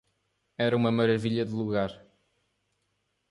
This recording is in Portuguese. Era uma maravilha de lugar.